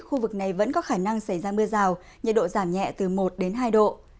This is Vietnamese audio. khu vực này vẫn có khả năng xảy ra mưa rào nhiệt độ giảm nhẹ từ một đến hai độ